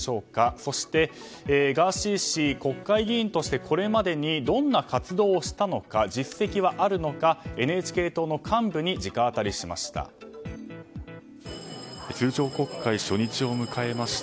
そしてガーシー氏国会議員としてこれまでにどんな活動をしたのか実績はあるのかＮＨＫ党の幹部に直アタリしました。